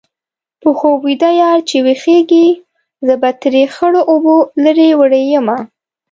په خوب ویده یار چې ويښېږي-زه به ترې خړو اوبو لرې وړې یمه